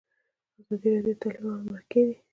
ازادي راډیو د تعلیم اړوند مرکې کړي.